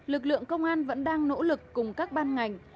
lực lượng công an vẫn đang nỗ lực cùng các ban ngành